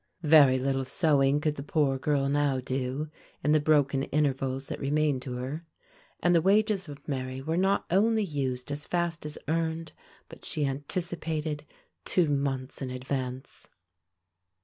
Very little sewing could the poor girl now do, in the broken intervals that remained to her; and the wages of Mary were not only used as fast as earned, but she anticipated two months in advance.